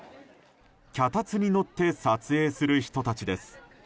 脚立に乗って撮影する人たちです。